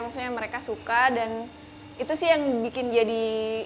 maksudnya mereka suka dan itu sih yang bikin jadi